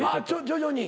徐々に？